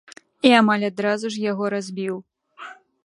І амаль адразу ж яго разбіў.